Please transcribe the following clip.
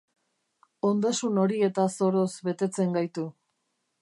Ondasun horietaz oroz betetzen gaitu.